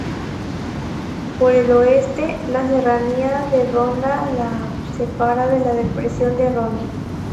Por el oeste, la Serranía de Ronda la separa de la Depresión de Ronda.